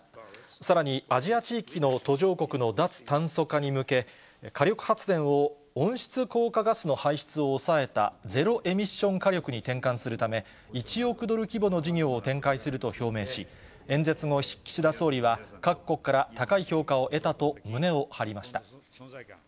さらにアジア地域の途上国の脱炭素化に向け、火力発電を温室効果ガスの排出を抑えたゼロエミッション火力に転換するため、１億ドル規模の事業を展開すると表明し、演説後、岸田総理は各国から高い評価を得たと胸を張りました。